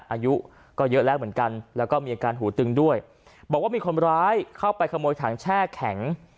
อายุก็เยอะแล้วเหมือนกันแล้วก็มีอาการหูตึงด้วยบอกว่ามีคนร้ายเข้าไปขโมยถังแช่แข็ง